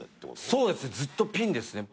そうですずっとピンですね。